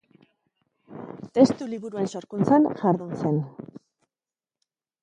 Testu liburuen sorkuntzan jardun zen.